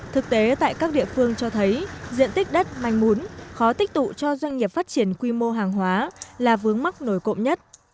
thực tế tại các địa phương cho thấy diện tích đất manh mún khó tích tụ cho doanh nghiệp phát triển quy mô hàng hóa là vướng mắc nổi cộng nhất